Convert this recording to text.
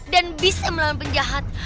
dan bisa melawan penjahat